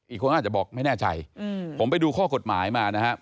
คนอาจจะบอกไม่แน่ใจผมไปดูข้อกฎหมายมานะครับ